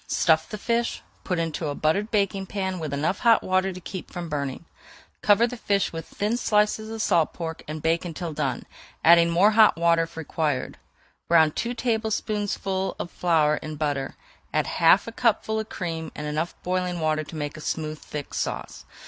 Stuff the fish, put into a buttered baking pan with enough hot water to keep from burning. Cover the fish with thin slices of salt pork and bake until done, adding more hot water if required. Brown two tablespoonfuls of flour in butter, add half a cupful of cream, and enough boiling water to make a smooth thick sauce.